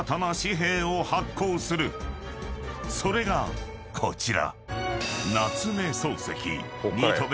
［それがこちら］